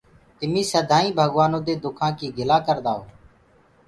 تمي سڌئينٚ ڀگوآنو دي دُکآ ڪي گِلآ ڪردآ هو۔